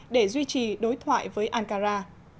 để duy trì đối thoại với ankara